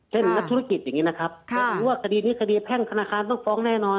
เช่นรัฐธุรกิจอย่างนี้นะครับหรือว่าคดีนี้คดีแพ่งธนาคารต้องฟ้องแน่นอน